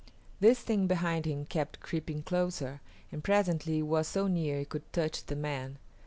This thing behind him kept creeping closer, and presently it was so near it could touch the man.